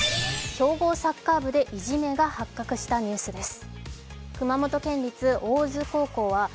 強豪サッカー部でいじめが発覚した問題です。